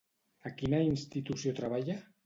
A quina institució treballa?